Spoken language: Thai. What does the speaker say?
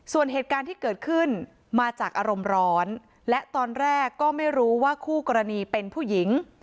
ส่วนเหตุการณ์ที่เกิดขึ้นมาจากอารมณ์ร้อนและตอนแรกก็ไม่รู้ว่าคู่กรณีเป็นผู้หญิง